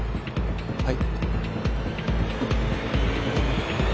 はい。